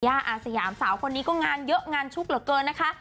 อาสยามสาวคนนี้ก็งานเยอะงานชุกเหลือเกินนะคะ